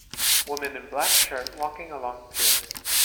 Woman in black shirt walking along pier.